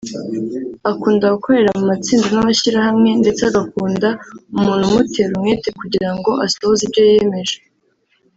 Akunda gukorera mu matsinda n’amashyirahamwe ndetse agakunda umuntu umutera umwete kugira ngo asohoze ibyo yiyemeje